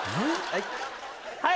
はい！